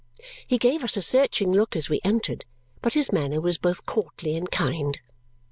He gave us a searching look as we entered, but his manner was both courtly and kind.